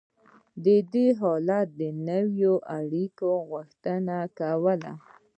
دې حالت د نویو اړیکو غوښتنه کوله.